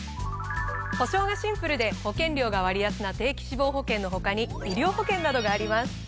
保障がシンプルで保険料が割安な定期死亡保険の他に医療保険などがあります。